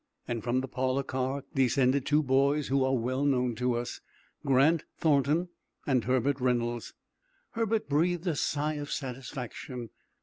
From the parlor car descended two boys who are well known to us, Grant Thornton and Herbert Reynolds. Herbert breathed a sigh of satisfaction.